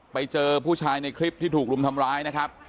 ไปเจอผู้ชายในคลิปที่ถูกรุมทำร้ายนะครับ